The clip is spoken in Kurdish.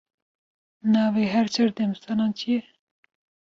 Nevê her çar demsalan çi ye?